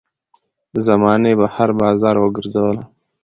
زمانې په هـــــر بازار وګرځــــــــــولم